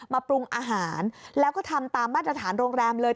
ปรุงอาหารแล้วก็ทำตามมาตรฐานโรงแรมเลย